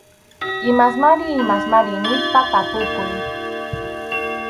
Imasmari imasmari nispa tapukuy.